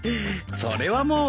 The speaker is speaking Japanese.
それはもう。